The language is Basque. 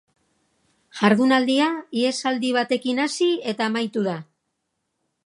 Jardunaldia ihesaldi batekin hasi eta amaitu da.